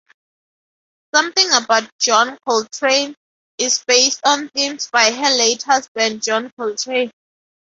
"Something About John Coltrane" is based on themes by her late husband, John Coltrane.